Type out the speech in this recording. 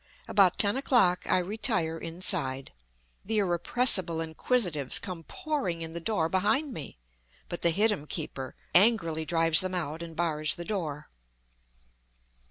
About ten o'clock I retire inside; the irrepressible inquisitives come pouring in the door behind me, but the hittim keeper angrily drives them out and bars the door.